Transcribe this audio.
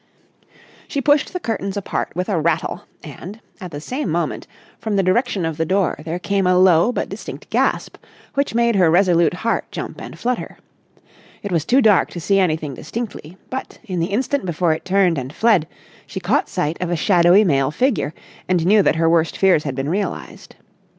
She pushed the curtains apart with a rattle and, at the same moment, from the direction of the door there came a low but distinct gasp which made her resolute heart jump and flutter. It was too dark to see anything distinctly, but, in the instant before it turned and fled, she caught sight of a shadowy male figure, and knew that her worst fears had been realised.